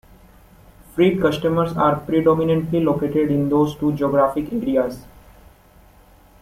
Freight customers are predominantly located in those two geographic areas.